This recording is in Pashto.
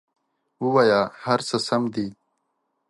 ووایه هر څه سم دي!